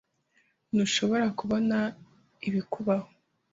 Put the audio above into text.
Ntushobora kubona ibikubaho?